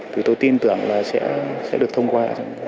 thì tôi tin tưởng là sẽ được thông qua